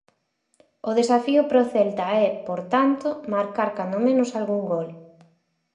O desafío para o Celta é, por tanto, marcar cando menos algún gol.